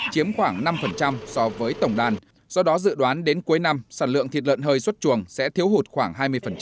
chiếm khoảng năm so với tổng đàn do đó dự đoán đến cuối năm sản lượng thịt lợn hơi xuất chuồng sẽ thiếu hụt khoảng hai mươi